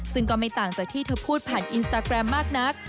ซึ่งก็ไม่ต่างจากที่เธอพูดผ่านอินสตาแกรมมากนัก